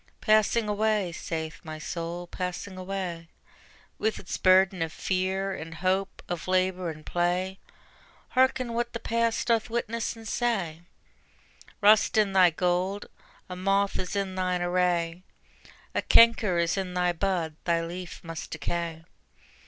Passing away, saith my Soul, passing away: With its burden of fear and hope, of labor and play; Hearken what the past doth witness and say: Rust in thy gold, a moth is in thine array, A canker is in thy bud, thy leaf must decay.